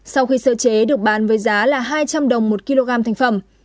sau khi sơ chế được bán với giá là hai trăm linh đồng một kg thành phẩm